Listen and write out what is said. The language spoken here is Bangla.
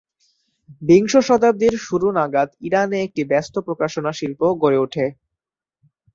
বিংশ শতাব্দীর শুরু নাগাদ ইরানে একটি ব্যস্ত প্রকাশনা শিল্প গড়ে ওঠে।